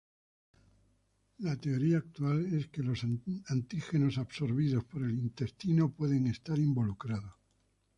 La teoría actual es que los antígenos absorbidos por el intestino pueden estar involucrados.